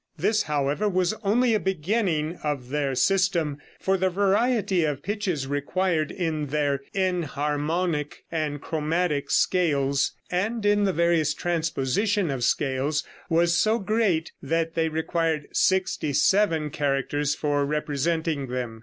This, however, was only a beginning of their system, for the variety of pitches required in their enharmonic and chromatic scales, and in the various transposition scales was so great that they required sixty seven characters for representing them.